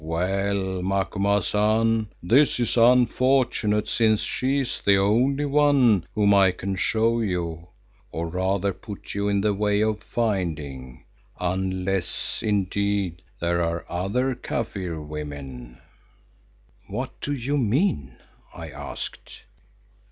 Well, Macumazahn, this is unfortunate, since she is the only one whom I can show you, or rather put you in the way of finding. Unless indeed there are other Kaffir women——" "What do you mean?" I asked.